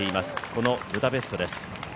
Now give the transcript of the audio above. このブダペストです。